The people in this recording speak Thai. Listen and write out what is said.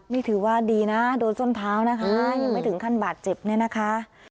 นี่ถือว่าดีนะโดนส้นเท้านะคะยังไม่ถึงขั้นบาดเจ็บเนี่ยนะคะ